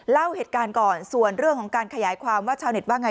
เล่าเหตุการณ์ก่อนส่วนเรื่องของการขยายความว่าชาวเน็ตว่าไง